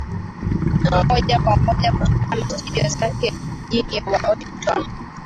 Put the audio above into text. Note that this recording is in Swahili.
moja kwa moja kutoka studio zake mjini Washington